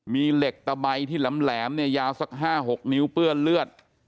มีเหล็กตะใบที่แหลมเนี่ยยาวสัก๕๖นิ้วเปื้อนเลือด